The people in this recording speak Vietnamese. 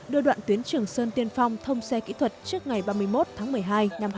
đưa đoạn tuyến trường sơn tiên phong thông xe kỹ thuật trước ngày ba mươi một tháng một mươi hai năm hai nghìn hai mươi